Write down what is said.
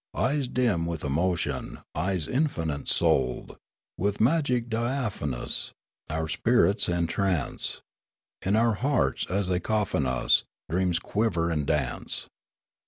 Eyes dim with emotion, Eyes infinite souled, With magic diaphanous Our spirits entrance ; In our hearts, as they coffin us, Dreams quiver and dance.